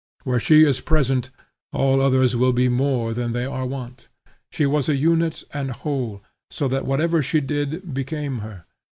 Where she is present all others will be more than they are wont. She was a unit and whole, so that whatsoever she did, became her.